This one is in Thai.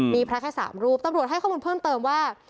มีพระแค่๓รูปตำรวจให้ข้อมูลเพิ่มเติมว่า